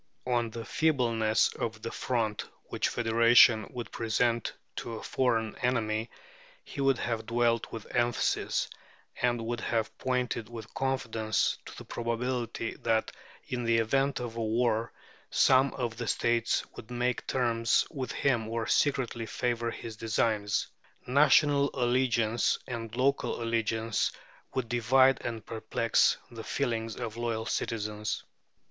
On the feebleness of the front which federation would present to a foreign enemy he would have dwelt with emphasis, and would have pointed with confidence to the probability that in the event of a war some of the states would make terms with him or secretly favour his designs. National allegiance and local allegiance would divide and perplex the feelings of loyal citizens.